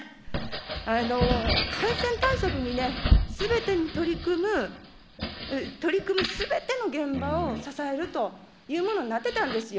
感染対策にね、すべてに取り組む、取り組むすべての現場を支えるというものになってたんですよ。